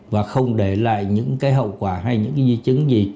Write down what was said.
và không để lại những cái hậu quả hay những cái di chứng gì